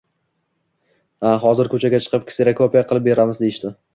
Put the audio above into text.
«Ha, hozir ko‘chaga chiqib, kserokopiya qilib, beramiz», deyishdi.